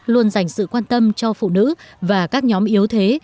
luôn dành sự quan tâm cho phụ nữ và các nhóm yếu thế